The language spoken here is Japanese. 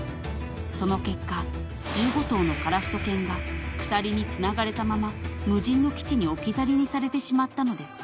［その結果１５頭の樺太犬が鎖につながれたまま無人の基地に置き去りにされてしまったのです］